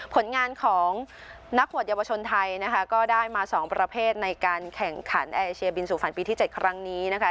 ผลงานของนักบวชเยาวชนไทยนะคะก็ได้มา๒ประเภทในการแข่งขันแอร์เชียบินสู่ฝันปีที่๗ครั้งนี้นะคะ